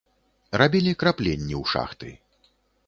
Рабілі крапленні ў шахты.